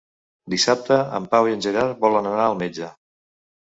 Dissabte en Pau i en Gerard volen anar al metge.